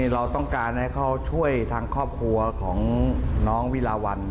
เราต้องการให้เขาช่วยทางครอบครัวของน้องวิลาวัน